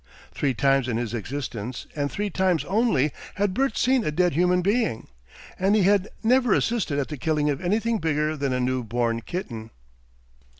Three times in his existence, and three times only, had Bert seen a dead human being, and he had never assisted at the killing of anything bigger than a new born kitten.